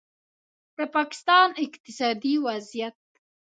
د پاکستان اقتصادي وضعیت